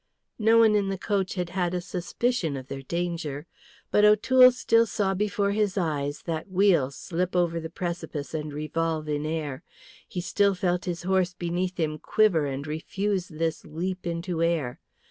No one in the coach had had a suspicion of their danger. But O'Toole still saw before his eyes that wheel slip over the precipice and revolve in air, he still felt his horse beneath him quiver and refuse this leap into air.